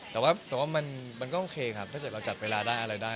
แต่ว่ามันก็โอเคครับถ้าเกิดเราจัดเวลาได้อะไรได้